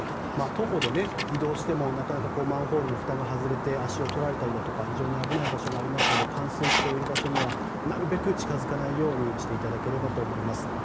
徒歩で移動してもマンホールのふたが外れて足を取られたりだとか非常に危ない場所がありますので冠水している場所にはなるべく近づかないようにしていただければと思います。